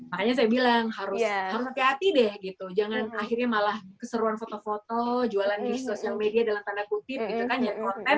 makanya saya bilang harus hati hati deh gitu jangan akhirnya malah keseruan foto foto jualan di sosial media dalam tanda kutip gitu kan yang konten